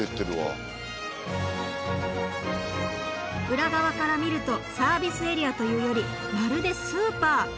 裏側から見るとサービスエリアというよりまるでスーパー。